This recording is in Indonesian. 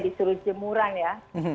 disuruh jemuran ya